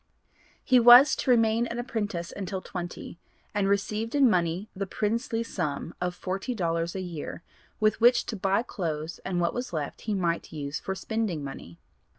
He was to remain an apprentice until twenty, and received in money the princely sum of forty dollars a year 'with which to buy clothes and what was left he might use for spending money.'